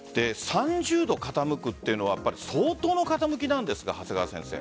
３０度傾くというのは相当の傾きなんですか？